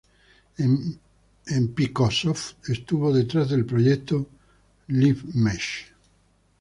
En Microsoft, estuvo detrás del proyecto Live Mesh.